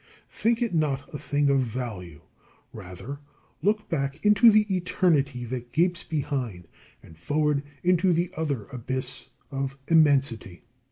Think it not a thing of value. Rather look back into the eternity that gapes behind, and forward into the other abyss of immensity.